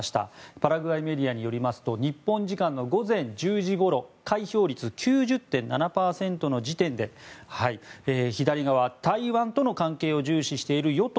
パラグアイメディアによりますと日本時間午前１０時ごろ開票率９０．７％の時点で左側、台湾との関係を重視している与党